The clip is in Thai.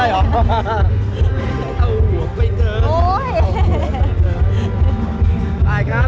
อย่างไรบ้าง